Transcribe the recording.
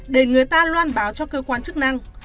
để người ta loan báo cho cơ quan chức năng